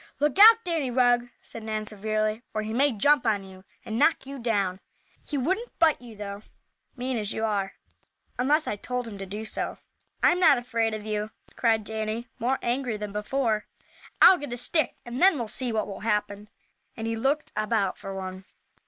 "Look out, Danny Rugg," said Nan, severely, "or he may jump on you, and knock you down. He wouldn't bite you, though, mean as you are, unless I told him to do so." "I'm not afraid of you!" cried Danny, more angry than before. "I'll get a stick and then we'll see what will happen," and he looked about for one.